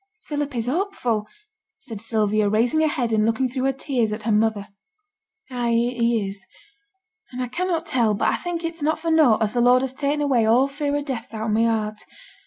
'Philip is hopeful,' said Sylvia, raising her head and looking through her tears at her mother. 'Ay, he is. And I cannot tell, but I think it's not for nought as the Lord has ta'en away all fear o' death out o' my heart.